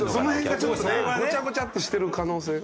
その辺がちょっとねごちゃごちゃっとしてる可能性が。